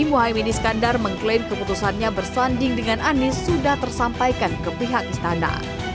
muhaymin iskandar mengklaim keputusannya bersanding dengan anies sudah tersampaikan ke pihak istana